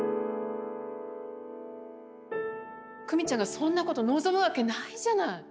久美ちゃんがそんなこと望むわけないじゃない！